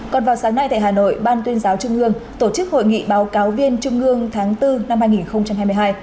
còn vào sáng nay tại hà nội ban tuyên giáo trung ương tổ chức hội nghị báo cáo viên trung ương tháng bốn năm hai nghìn hai mươi hai